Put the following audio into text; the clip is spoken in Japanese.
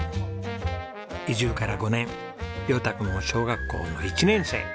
移住から５年椋太君も小学校の１年生。